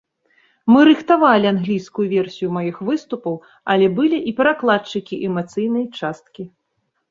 Мы рыхтавалі англійскую версію маіх выступаў, але былі і перакладчыкі эмацыйнай часткі.